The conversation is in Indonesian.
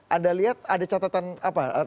anda lihat ada catatan apa